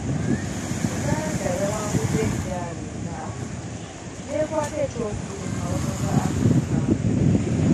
Yuganda yawangudde emidaali enna, n'ekwata kyakubiri mu mawanga ga Africa.